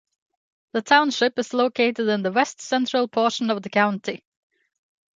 The township is located in the west central portion of the county.